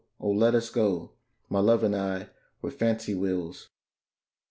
oh let us go, My love and I, where fancy wills.